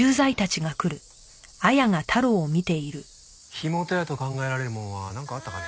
火元やと考えられるもんはなんかあったかね？